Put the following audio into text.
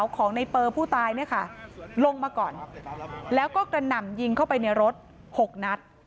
ของในเปอร์ผู้ตายเนี่ยค่ะลงมาก่อนแล้วก็กระหน่ำยิงเข้าไปในรถ๖นัด